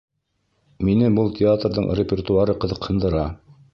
Мине был театрҙың репертуары ҡыҙыҡһындыра.